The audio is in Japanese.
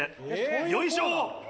よいしょ！